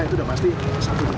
itu sudah pasti satu titiknya